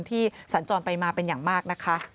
สัญจรไปมาเป็นอย่างมากนะคะ